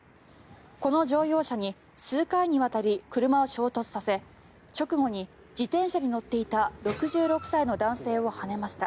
この乗用車に数回にわたり車を衝突させ直後に自転車に乗っていた６６歳の男性をはねました。